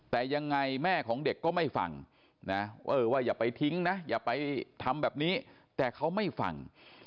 แต่ยังไงแม่ของเด็กก็ไม่ฟังนะว่าอย่าไปทิ้งนะอย่าไปทำแบบนี้แต่เขาไม่ฟัง